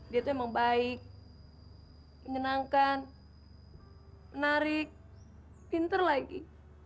dia tuh emang baik menyenangkan menarik pinter lagi